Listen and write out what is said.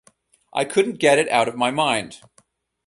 I couldn't get it out of my mind.